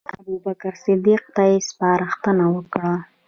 ابوبکر صدیق ته یې سپارښتنه وکړه.